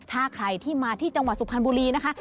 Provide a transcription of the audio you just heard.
ถ้าใครที่มาที่จังหวัดสุพรรณบุรีนะคะ